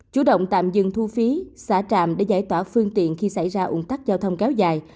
chủ động tạm dừng thu phí xả trạm để giải tỏa phương tiện khi xảy ra ủng tắc giao thông kéo dài